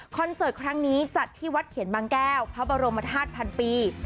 เสิร์ตครั้งนี้จัดที่วัดเขียนบางแก้วพระบรมธาตุพันปี